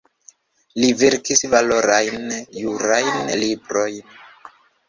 Li verkis valorajn jurajn librojn.